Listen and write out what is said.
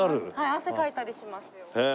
汗かいたりしますよ。